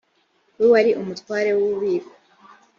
we wari umutware w’ububiko